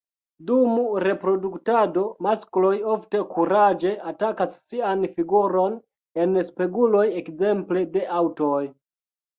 Dum reproduktado maskloj ofte kuraĝe atakas sian figuron en speguloj ekzemple de aŭtoj.